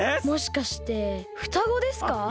もしかしてふたごですか？